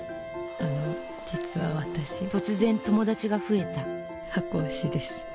あの実は私突然友達が増えた箱推しです。